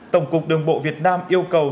tổng cục đường bộ việt nam yêu cầu